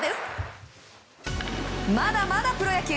まだまだプロ野球。